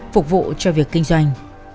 phục vụ cho việc kinh doanh